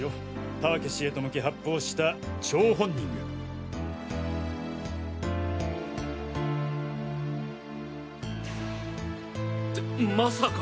田分氏へと向け発砲した張本人が。ってまさか。